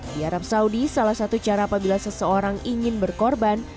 di arab saudi salah satu cara apabila seseorang ingin berkorban